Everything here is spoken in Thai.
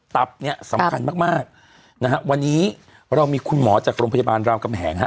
ตับเนี่ยสำคัญมากมากนะฮะวันนี้เรามีคุณหมอจากโรงพยาบาลรามกำแหงฮะ